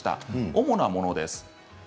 主なものです。